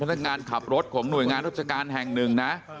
นักงานขับรถของหน่วยงานราชการแห่งหนึ่งนะ